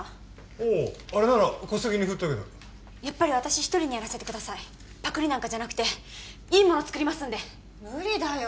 おうあれなら小杉に振ったけどやっぱり私一人にやらせてくださいパクりなんかじゃなくていいもの作りますんで無理だよ